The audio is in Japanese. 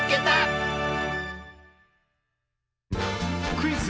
クイズ